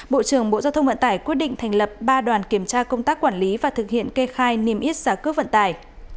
bộ trưởng bộ giao thông vận tải quyết định thành lập ba đoàn kiểm tra công tác quản lý và thực hiện kê khai niêm yết giá cước vận tải